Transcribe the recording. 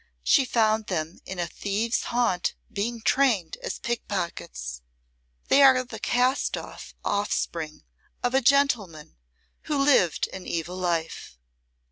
"She found them in a thieves' haunt being trained as pickpockets. They are the cast off offspring of a gentleman who lived an evil life."